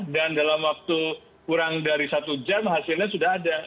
dan dalam waktu kurang dari satu jam hasilnya sudah ada